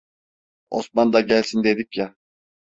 Osman da gelsin dedik ya...